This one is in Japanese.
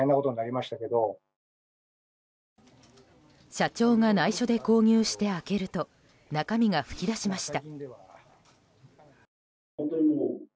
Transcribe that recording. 社長が内緒で購入して開けると中身が噴き出しました。